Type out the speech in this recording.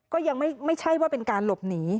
ก็ยังไม่ใช่ว่าเป็นการหลบหนี